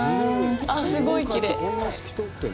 あっ、すごいきれい！